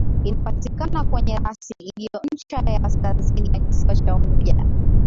Inapatikana kwenye rasi iliyo ncha ya kaskazini ya kisiwa cha Unguja